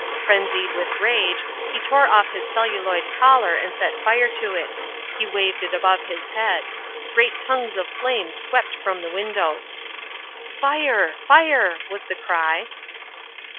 Frenzied with rage, he tore off his celluloid collar and set fire to it. He waved it above his head. Great tongues of flame swept from the windows. "Fire! Fire!" was the cry.